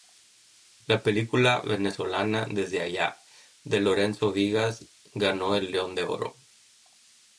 La película venezolana "Desde allá", de Lorenzo Vigas, ganó el León de Oro.